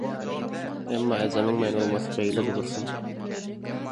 emma ejemiň meni öwmesi beýle-de dursun